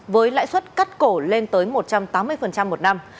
với lãi suất cắt cổ lên tới một trăm tám mươi một năm